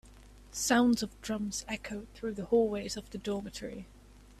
Sounds of drums echoed through the hallways of the dormitory.